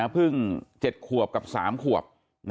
เพิ่ง๗ขวบกับ๓ขวบ